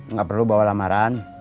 nggak perlu bawa lamaran